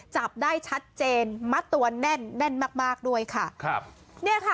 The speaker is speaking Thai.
จับได้ชัดเจนมัดตัวแน่นแน่นมากมากด้วยค่ะครับเนี่ยค่ะ